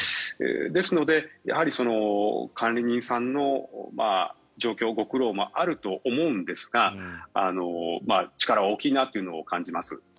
ですので、やはり管理人さんの状況ご苦労もあると思うんですが力は大きいなというのを感じます。